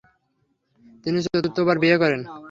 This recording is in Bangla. তিনি চতুর্থবার বিবাহ করেন।